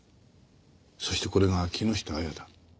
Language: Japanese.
そしてこれが木下亜矢だ。